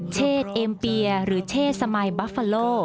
เชศเอ็มเปียหรือเชศสมายบัฟฟาโล